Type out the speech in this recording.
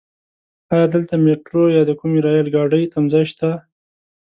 ايا دلته ميټرو يا د کومې رايل ګاډی تمځای شته؟